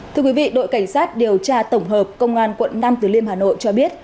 thưa quý vị đội cảnh sát điều tra tổng hợp công an quận nam từ liêm hà nội cho biết